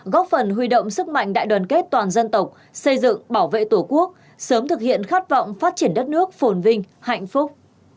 góp phần huy động sức mạnh đại đoàn kết toàn dân tộc xây dựng bảo vệ tổ quốc sớm thực hiện khát vọng phát triển đất nước phồn vinh hạnh phúc